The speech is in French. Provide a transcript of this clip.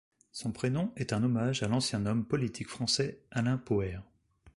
Son prénom est un hommage à l’ancien homme politique français Alain Poher.